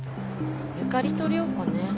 ゆかりと涼子ね。